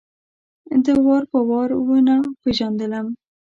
ده وار په وار ونه پېژندلم.